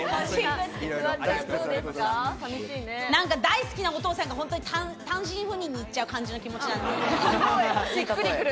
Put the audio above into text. なんか大好きなお父さんが単身赴任に行っちゃう感じの気持ち。